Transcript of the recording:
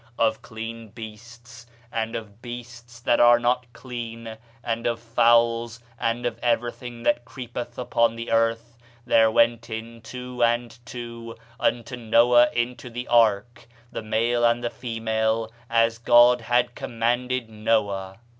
Of clean beasts, and of beasts that are not clean, and of fowls, and of everything that creepeth upon the earth, there went in two and two unto Noah into the ark, the male and the female, as God had commanded Noah.